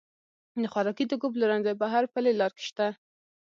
د خوراکي توکو پلورنځي په هر پلې لار کې شته.